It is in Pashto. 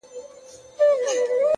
o ځوان د تکي زرغونې وني نه لاندي؛